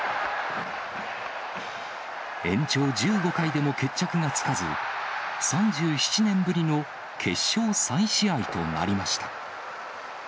延長１５回でも決着がつかず、３７年ぶりの決勝再試合となりました。